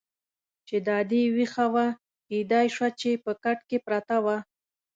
چې دا دې وېښه وه، کېدای شوه چې په کټ کې پرته وه.